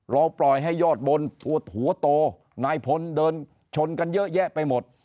ปล่อยให้ยอดบนปวดหัวโตนายพลเดินชนกันเยอะแยะไปหมด